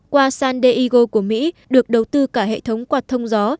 qua san diego của mỹ được đầu tư cả hệ thống quạt thông gió